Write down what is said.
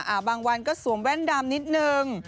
บางวันก็สวมแว่นดำนิดนึง